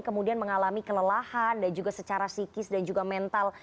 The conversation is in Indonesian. kemudian mengalami kelelahan dan juga secara psikis dan juga mental